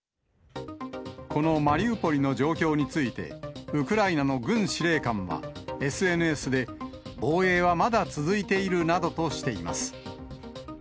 このマリウポリの状況について、ウクライナの軍司令官は、ＳＮＳで、防衛はまだ続いているなどとしています。